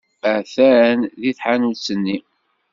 Atan deg tḥanut-nni.